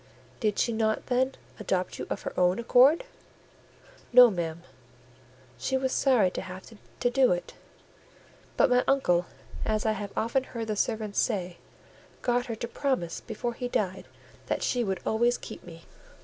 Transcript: "Did she not, then, adopt you of her own accord?" "No, ma'am; she was sorry to have to do it: but my uncle, as I have often heard the servants say, got her to promise before he died that she would always keep me."